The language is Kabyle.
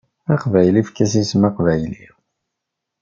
Aqbayli efk-as isem aqbayli.